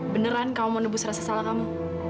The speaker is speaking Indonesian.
beneran kamu mau nebus rasa salah kamu